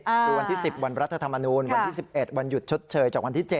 คือวันที่๑๐วันรัฐธรรมนูลวันที่๑๑วันหยุดชดเชยจากวันที่๗